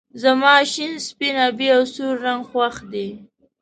زما شين سپين آبی او سور رنګ خوښ دي